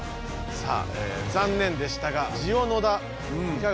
さあ残念でしたがジオ野田いかがでしたか？